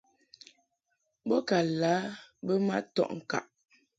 Bo ka lǎ bə ma tɔʼ ŋkaʼ.